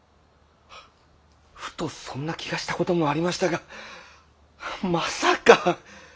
ふとそんな気がした事もありましたがまさか。